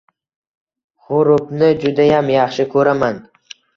— G ‘urubni judayam yaxshi ko‘raman.